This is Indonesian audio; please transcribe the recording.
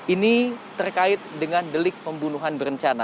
ini terkait dengan delik pembunuhan berencana